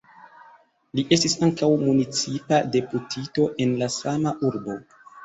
Li estis ankaŭ municipa deputito en la sama urbo.